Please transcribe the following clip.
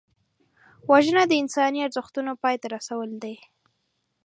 وژنه د انساني ارزښتونو پای ته رسول دي